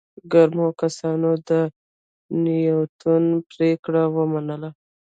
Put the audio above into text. ګرمو کسانو د نياوتون پرېکړه ومنله.